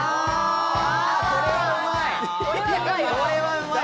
これはうまい！